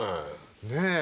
ねえ。